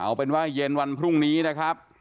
เอาเป็นว่าเย็นวันพรุ่งนี้นะครับ